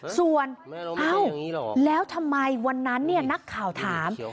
ส่วนเอ้าแล้วทำไมวันนั้นนักข่าวถาม